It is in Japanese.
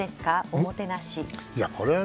おもてなし。